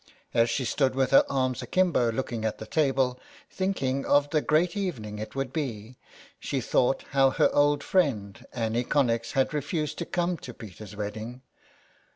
As she stood with her arms akimbo looking at the table, thinking of the great evening it would be, she thought how her old friend, Annie Connex, had refused to come to Peter's wedding.